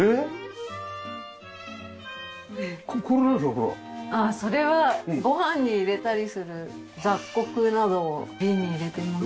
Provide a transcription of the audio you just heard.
これは。それはご飯に入れたりする雑穀などを瓶に入れてます。